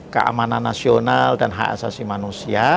keamanan nasional dan hak asasi manusia